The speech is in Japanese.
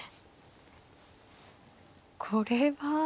これは。